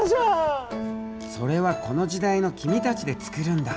それはこの時代の君たちで作るんだ。